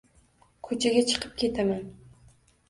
Ko‘chaga chiqib ketaman